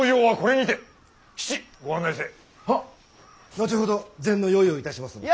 後ほど膳の用意をいたしますので。